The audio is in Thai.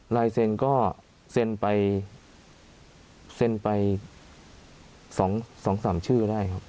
ลายเซ็นก็เซ็นไปเซ็นไป๒๓ชื่อได้ครับ